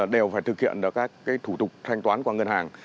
đều phải thực hiện được các thủ tục thanh toán qua ngân hàng